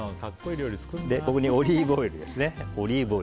ここにオリーブオイル。